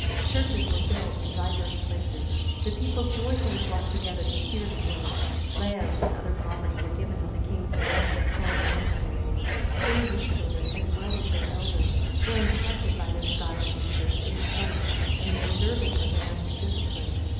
Churches were built in divers places; the people joyfully flocked together to hear the Word; lands and other property were given of the king's bounty to found monasteries; English children, as well as their elders, were instructed by their Scottish teachers in study and the observance of monastic discipline.